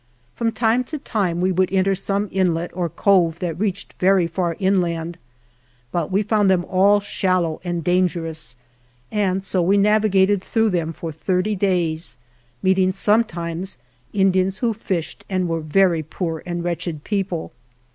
From time to time we would enter some inlet or cove that reached very far inland, but we found them all shallow and danger ous, and so we navigated through them for thirty days, meeting sometimes Indians who fished and were poor and wretched people.